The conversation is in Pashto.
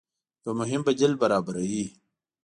يو مهم بديل برابروي